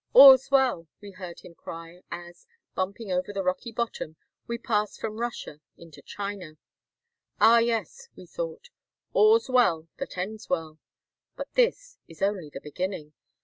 "All's well," we heard him cry, as, bumping over the rocky bottom, we passed from IV 129 Russia into China. "Ah, yes," we thought; " 'All's well that ends well,' but this is only the beginning." THE CUSTOM HOUSE AT KULDJA.